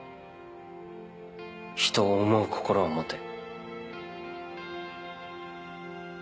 人を思う心は持て。